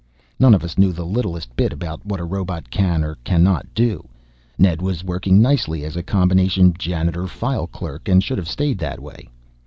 None of us knew the littlest bit about what a robot can or cannot do. Ned was working nicely as a combination janitor file clerk and should have stayed that way.